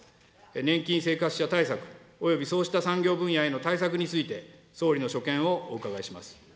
年金生活者対策およびそうした産業分野への対策について、総理の所見をお伺いします。